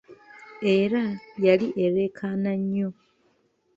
Era yali ereekaana nnyo!